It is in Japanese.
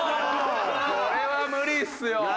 これは無理ですよ。